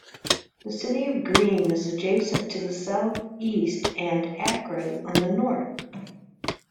The city of Green is adjacent to the southeast and Akron on the north.